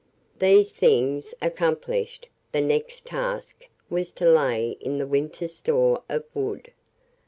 These things accomplished, the next task was to lay in the winter's store of wood.